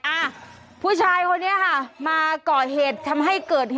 อ่าผู้ชายคนนี้ค่ะมาก่อเหตุทำให้เกิดเหตุ